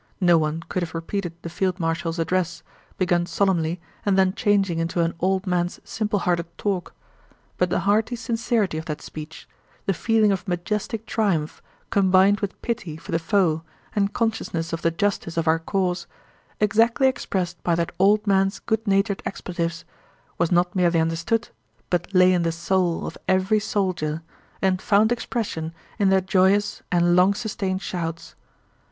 No one could have repeated the field marshal's address, begun solemnly and then changing into an old man's simplehearted talk; but the hearty sincerity of that speech, the feeling of majestic triumph combined with pity for the foe and consciousness of the justice of our cause, exactly expressed by that old man's good natured expletives, was not merely understood but lay in the soul of every soldier and found expression in their joyous and long sustained shouts.